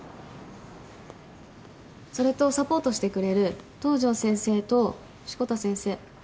それとサポートしてくれる東上先生と志子田先生。